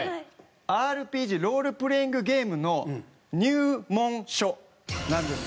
ＲＰＧロールプレイングゲームの入門書なんです。